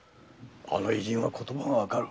あの異人は言葉がわかる。